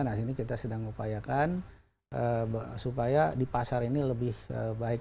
nah ini kita sedang upayakan supaya di pasar ini lebih baik